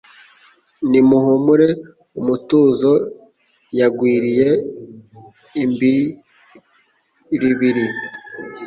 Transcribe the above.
Nimuhumure umutuzo, Yagwiriye imbiribiri :